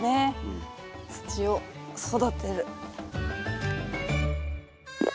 土を育てる。